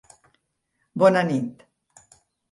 Bona Nit.